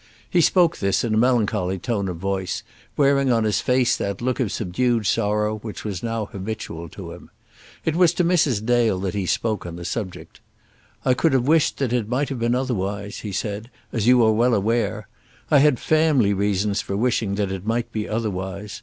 He spoke this in a melancholy tone of voice, wearing on his face that look of subdued sorrow which was now almost habitual to him. It was to Mrs. Dale that he spoke on the subject. "I could have wished that it might have been otherwise," he said, "as you are well aware. I had family reasons for wishing that it might be otherwise.